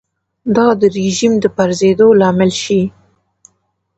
دا د رژیم د پرځېدو لامل شي.